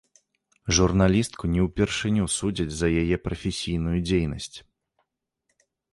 Журналістку не ўпершыню судзяць за яе прафесійную дзейнасць.